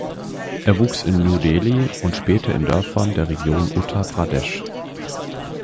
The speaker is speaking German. Er wuchs in New Delhi and später in Dörfern in der Region Uttar Pradesh.